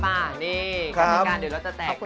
อันนี้เอามาจัดถ่างทญา